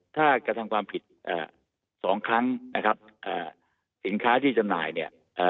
ถ้ากระทั่งความผิด๒ครั้งนะครับสินค้าที่จำหน่ายเนี่ย